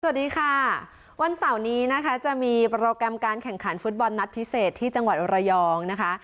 สวัสดีค่ะวันเสาร์นี้นะคะจะมีโปรแกรมการแข่งขันฟุตบอลนัดพิเศษที่จังหวัดระยองนะคะ